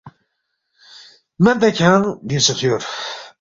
مید نہ کھیانگ بیُونگسے خیور